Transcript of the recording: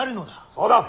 そうだ！